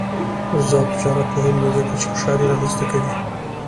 آزاد تجارت مهم دی ځکه چې خوشحالي رامنځته کوي.